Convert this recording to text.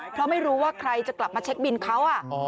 เพราะไม่รู้ว่าใครจะกลับมาเช็คบินเขา